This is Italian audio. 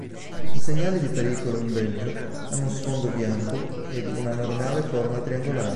I segnali di pericolo in Belgio hanno sfondo bianco ed una normale forma triangolare.